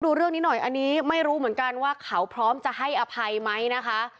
ดูเรื่องนี้หน่อยอันนี้ไม่รู้เหมือนกันว่าเขาพร้อมจะให้อภัยไหมนะคะ